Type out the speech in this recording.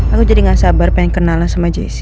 aku jadi gak sabar pengen kenalan sama jessi